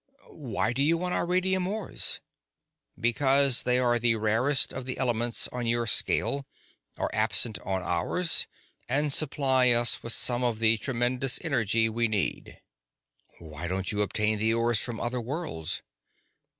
"Why do you want our radium ores?" "Because they are the rarest of the elements on your scale, are absent on ours, and supply us with some of the tremendous energy we need." "Why don't you obtain the ores from other worlds?"